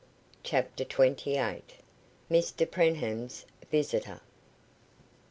CHAPTER TWENTY EIGHT. MR PREENHAM'S VISITOR.